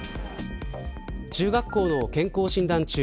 中学校の健康診断中